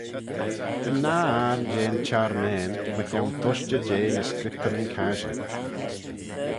Yn nah ayrn jeh'n çharmane mychione tushtey jeh ny Scriptyryn Casherick.